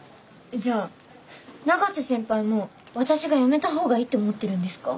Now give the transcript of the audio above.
じゃあ永瀬先輩も私がやめた方がいいって思ってるんですか？